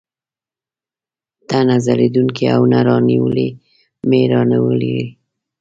ته نه خپلېدونکی او نه رانیولى مې راونیولې.